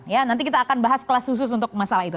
ya nanti kita akan bahas kelas khusus untuk masalah itu